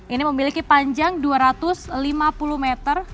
ini memiliki panjang dua ratus lima puluh meter